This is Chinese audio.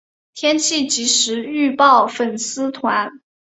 天气即时预报粉丝团